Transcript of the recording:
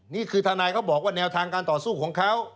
นี่คือทนายเขาบอกว่าแนวทางการต่อสู้ของเขา